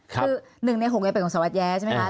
คือ๑ใน๖เป็นของสวรรค์แย้ใช่ไหมคะ